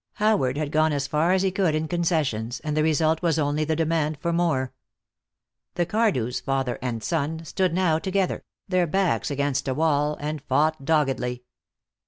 Howard had gone as far as he could in concessions, and the result was only the demand for more. The Cardews, father and son, stood now together, their backs against a wall, and fought doggedly.